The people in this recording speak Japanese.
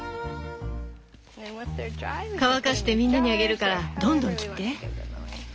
乾かしてみんなにあげるからどんどん切って。